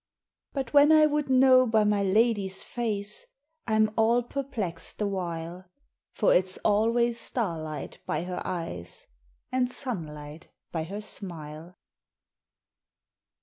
But when I would know by my lady's face, I am all perplexed the while; For it's always starlight by her eyes, And sunlight by her smile.